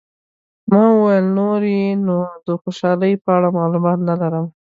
ما وویل، نور یې نو د خوشحالۍ په اړه معلومات نه لرم.